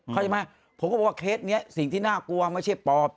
เข้าใจไหมผมก็บอกว่าเคสนี้สิ่งที่น่ากลัวไม่ใช่ปอบ